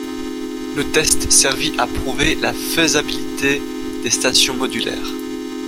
Le test servit à prouver la faisabilité des stations modulaires.